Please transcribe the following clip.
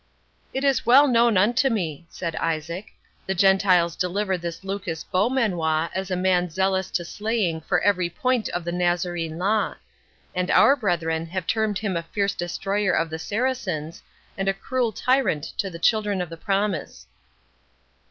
"It is well known unto me," said Isaac; "the Gentiles deliver this Lucas Beaumanoir as a man zealous to slaying for every point of the Nazarene law; and our brethren have termed him a fierce destroyer of the Saracens, and a cruel tyrant to the Children of the Promise."